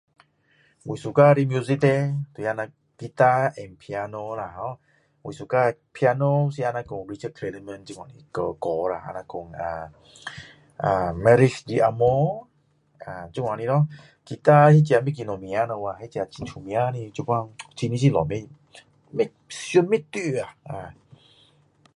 我喜欢的 music 叻 guitar and Piano 啦 ho 我喜欢 piano 那个 Richard Glayderman 歌啦就像说啊啊 A comme Amour